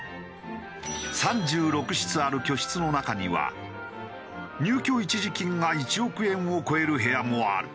３６室ある居室の中には入居一時金が１億円を超える部屋もある。